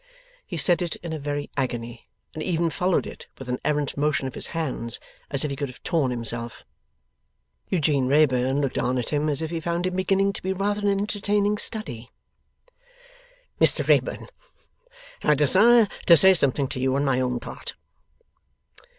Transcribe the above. He said it in a very agony, and even followed it with an errant motion of his hands as if he could have torn himself. Eugene Wrayburn looked on at him, as if he found him beginning to be rather an entertaining study. 'Mr Wrayburn, I desire to say something to you on my own part.